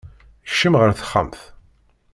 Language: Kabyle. Kcem ɣer texxamt.